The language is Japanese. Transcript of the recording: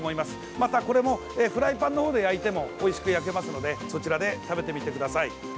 また、これもフライパンのほうで焼いてもおいしく焼けますのでそちらで食べてみてください。